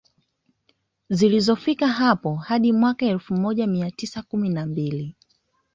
Zilizofika hapo na hadi mwaka elfu moja mia tisa kumi na mbili